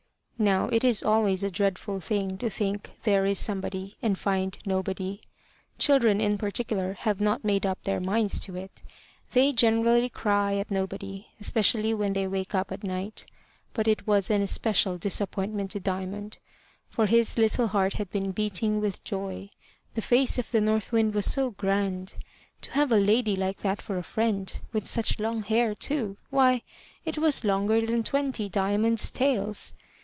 Now it is always a dreadful thing to think there is somebody and find nobody. Children in particular have not made up their minds to it; they generally cry at nobody, especially when they wake up at night. But it was an especial disappointment to Diamond, for his little heart had been beating with joy: the face of the North Wind was so grand! To have a lady like that for a friend with such long hair, too! Why, it was longer than twenty Diamonds' tails!